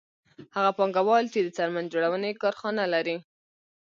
هغه پانګوال چې د څرمن جوړونې کارخانه لري